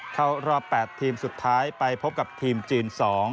เข้ารอบ๘ทีมสุดท้ายไปพบกับทีมจีน๒